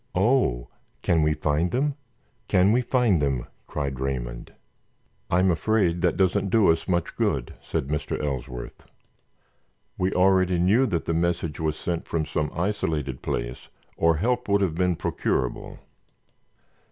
"Oh, can we find them? Can we find them?" cried Raymond. "I'm afraid that doesn't do us much good," said Mr. Ellsworth. "We already knew that the message was sent from some isolated place or help would have been procurable.